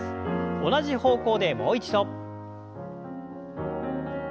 同じ方向でもう一度。